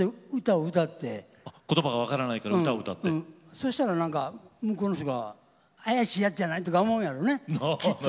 そしたらなんか向こうの人が怪しいやつじゃないとか思うんやろうねきっと。